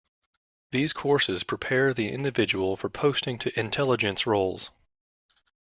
These courses prepare the individual for posting to intelligence roles.